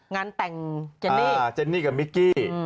งานแต่งเจนเนี่ยกับมิกกี้